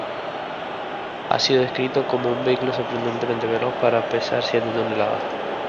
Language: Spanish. Ha sido descrito como un vehículo sorprendentemente veloz para pesar siete toneladas.